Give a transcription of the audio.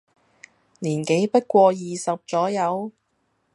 年紀不過二十左右，